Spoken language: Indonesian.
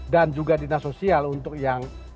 dan juga dinas sosial untuk yang